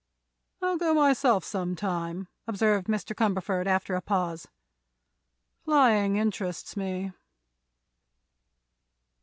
"I'll go myself, some time," observed Mr. Cumberford, after a pause. "Flying interests me."